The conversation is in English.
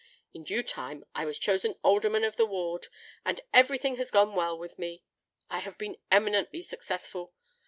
In due time I was chosen Alderman of the Ward; and every thing has gone well with me. I have been eminently successful.